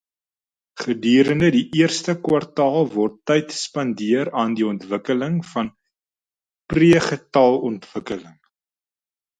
Gedurende die eerste kwartaal word tyd spandeer aan die ontwikkeling van pre-getalontwikkeling.